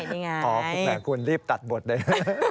ขอบบแหล่งคุณรีบตัดบทด้วย